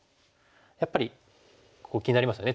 やっぱりここ気になりますよね